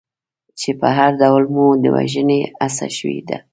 چې په هر ډول مو د وژنې هڅه شوې ده.